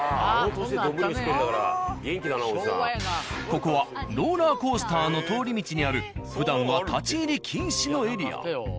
ここはローラーコースターの通り道にあるふだんは立ち入り禁止のエリア。